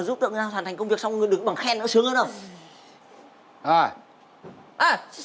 giúp đỡ người ta hoàn thành công việc xong rồi đứng bằng khen nữa sướng hơn không